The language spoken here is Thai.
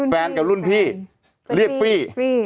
กับรุ่นพี่เรียกฟี่